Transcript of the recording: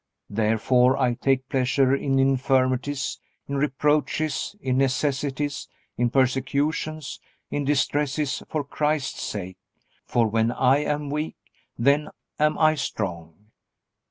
Therefore I take pleasure in infirmities, in reproaches, in necessities, in persecutions, in distresses for Christ's sake: for when I am weak, then am I strong."